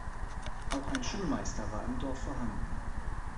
Auch ein Schulmeister war im Dorf vorhanden.